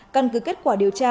căn cứ kết quả điều tra